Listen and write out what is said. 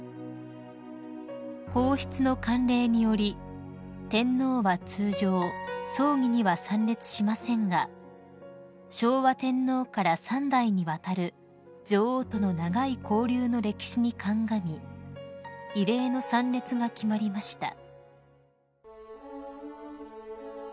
［皇室の慣例により天皇は通常葬儀には参列しませんが昭和天皇から三代にわたる女王との長い交流の歴史に鑑み異例の参列が決まりました］